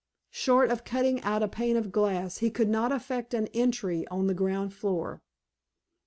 Short of cutting out a pane of glass, he could not effect an entry on the ground floor.